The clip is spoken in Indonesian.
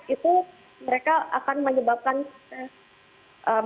itu mereka akan menyebabkan